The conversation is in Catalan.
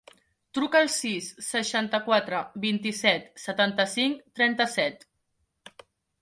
Truca al sis, seixanta-quatre, vint-i-set, setanta-cinc, trenta-set.